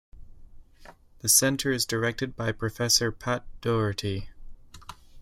The centre is directed by Professor Pat Doherty.